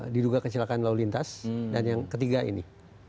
diduga kecelakaan lalu lintas dan yang ketiga ini